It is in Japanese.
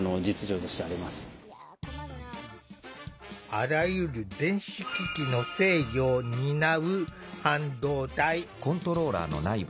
あらゆる電子機器の制御を担う、半導体。